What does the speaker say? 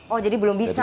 oh jadi belum bisa